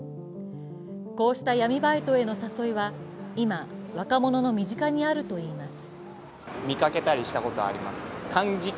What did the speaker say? こうした闇バイトへの誘いは今、若者の身近にあるといいます。